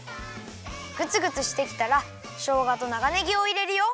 グツグツしてきたらしょうがと長ねぎをいれるよ。